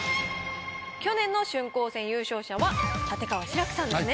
去年の春光戦優勝者は立川志らくさんですね。